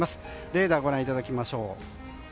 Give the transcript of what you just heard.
レーダーをご覧いただきましょう。